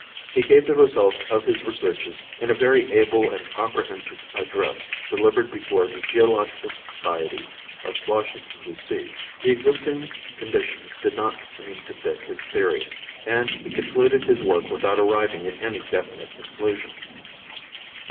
He gave the results of his researches in a very able and comprehensive address, delivered before the Geological Society of Washington, D.C. The existing conditions did not seem to fit his theories, and he concluded his work without arriving at any definite conclusion.